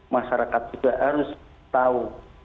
masyarakat juga harus tahu